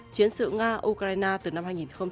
chiến sự nga ukraine từ năm hai nghìn hai mươi hai